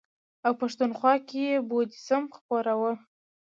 او پښتونخوا کې یې بودیزم خپراوه.